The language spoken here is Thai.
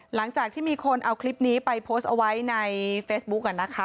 หลังจากที่มีคนเอาคลิปนี้ไปโพสต์เอาไว้ในเฟซบุ๊กนะคะ